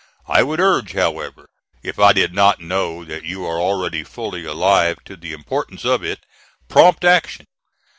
I would urge, however, if I did not know that you are already fully alive to the importance of it, prompt action.